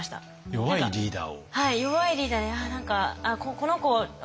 弱いリーダー。